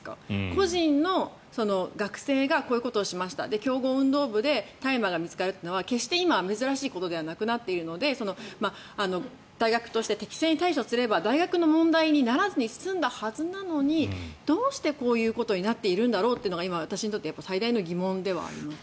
個人の学生がこういうことをしました強豪運動部で大麻が見つかるというのは決して今、珍しいことではなくなっているので大学として適正に対処すれば大学の問題にならずに済んだはずなのにどうしてこういうことになっているんだろうというのが今、私にとって最大の疑問ではありますね。